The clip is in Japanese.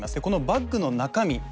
このバッグの中身